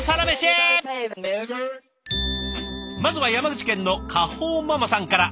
まずは山口県のかほうママさんから。